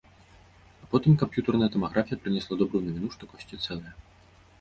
А потым камп'ютарная тамаграфія прынесла добрую навіну, што косці цэлыя.